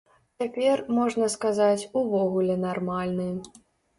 Цяпер, можна сказаць, увогуле нармальны.